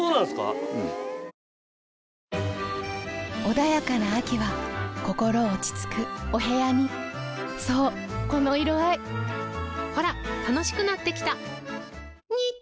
穏やかな秋は心落ち着くお部屋にそうこの色合いほら楽しくなってきた！